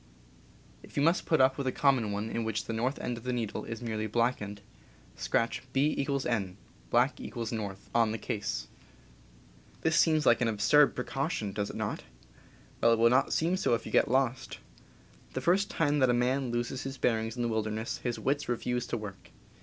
If you must put up with a common one in which the north end of the needle is merely blackened, scratch B=N (Black equals North) on the case. This seems like an absurd precaution, does it not ? Well, it will not seem so if you get lost. The first time that a man loses his bearings in the wil derness his wits refuse to work.